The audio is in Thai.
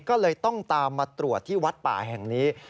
ก็เลยต้องตามมาตรวจที่วัดป่าแห่งนี้